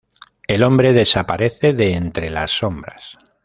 El hombre desaparece de entre las sombras.